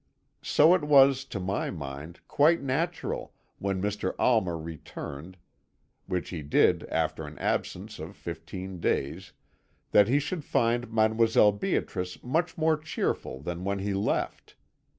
So it was, to my mind, quite natural, when Mr. Almer returned, which he did after an absence of fifteen days, that he should find Mdlle. Beatrice much more cheerful than when he left.